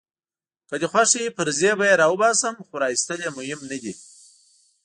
که دي خوښه وي پرزې به يې راوباسم، خو راایستل يې مهم نه دي.